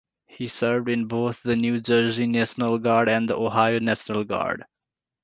He served in both the New Jersey National Guard and the Ohio National Guard.